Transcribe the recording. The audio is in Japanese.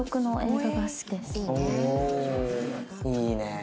「いいね」